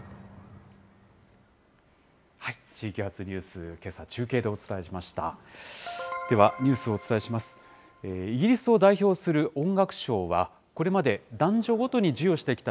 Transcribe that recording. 地域発ニュース、けさは中継でお伝えしました。